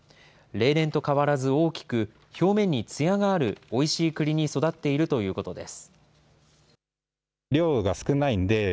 例年と変わらず大きく、表面につやがあるおいしいくりに育っているということです。